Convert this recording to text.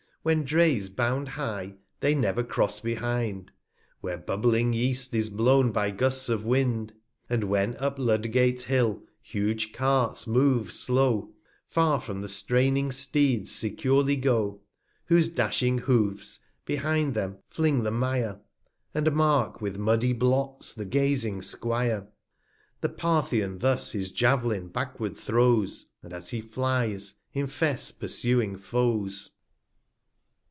When Drays bound high, they never cross behind, Where bubbling Yest is blown by Gusts of Wind : And when up Ludgate hill huge Carts move slow, iFar from the straining Steeds, securely go, 170 Whose dashing Hoofs, behind them, fling the Mire, And mark, with muddy Blots, the gazing 'Squire. The Tartbian thus his Jav'lin backward throws, And as he flies, infests pursuing Foes.